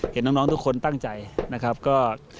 เห็นน้องทุกคนตั้งใจนะครับ